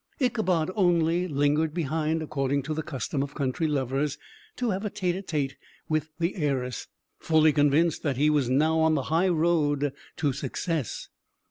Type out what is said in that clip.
Ichabod only lingered behind, according to the custom of country lovers, to have a tete a tete with the heiress, fully convinced that he was now on the high road to success.